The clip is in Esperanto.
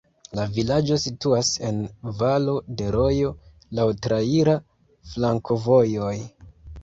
La vilaĝo situas en valo de rojo, laŭ traira flankovojoj.